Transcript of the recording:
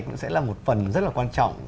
cũng sẽ là một phần rất là quan trọng